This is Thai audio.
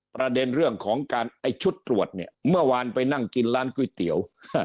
ประเด็นเรื่องของการไอ้ชุดตรวจเนี่ยเมื่อวานไปนั่งกินร้านก๋วยเตี๋ยว